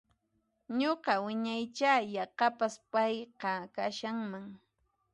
Nuqa wiñaicha yaqapas payqa kashanman